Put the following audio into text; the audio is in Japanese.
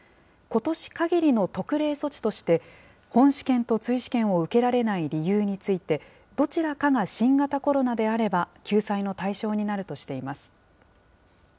ことし限りの特例措置として、本試験と追試験を受けられない理由について、どちらかが新型コロナであれば、救済の対象になるとしています。